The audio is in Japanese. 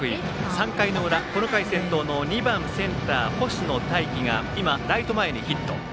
３回の裏、この回先頭の２番センター、星野泰輝がライト前にヒット。